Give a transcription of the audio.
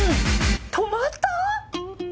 泊まった？